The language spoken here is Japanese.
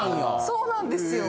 そうなんですよ。